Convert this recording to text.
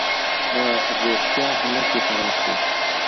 د روغتيا حالت يې خراب شو.